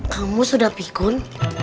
kamu sudah pikun